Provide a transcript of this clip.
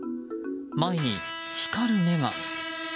前に光る目が。